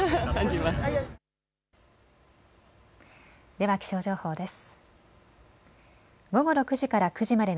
では気象情報です。